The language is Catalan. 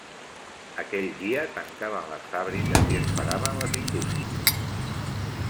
Aquell dia tancaven les fàbriques i es paraven les indústries.